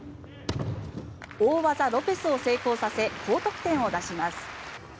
大技ロペスを成功させ高得点を出します。